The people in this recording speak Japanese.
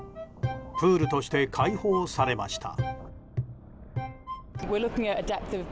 プールとして開放されました。